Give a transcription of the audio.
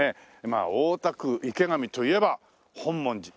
まあ大田区池上といえば本門寺。